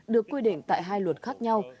được quy định tại hai luật khác nhau